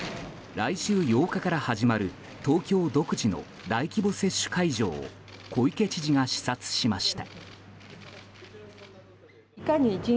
来週８日から始まる東京独自の大規模接種会場を小池知事が視察しました。